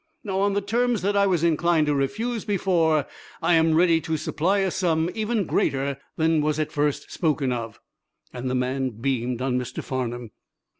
"Now, on the terms that I was inclined to refuse before, I am ready to supply a sum even greater than was at first spoken of," and the man beamed on Mr. Farnum.